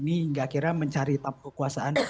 hingga akhirnya mencari tampu kekuasaan